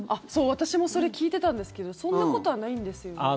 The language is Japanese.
私も聞いてたんですけどそんなことはないんですよね？